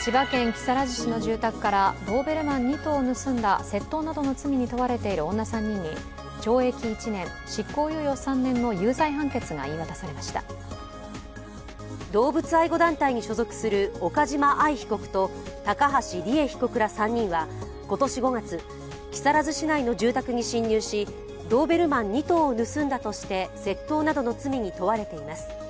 千葉県木更津市の住宅からドーベルマン２頭を盗んだ窃盗などの罪に問われている女３人に懲役１年執行猶予３年の動物愛護団体に所属する岡島愛被告と高橋里衣被告ら３人は今年５月木更津市内の住宅に侵入しドーベルマン２頭を盗んだとして窃盗などの罪に問われています。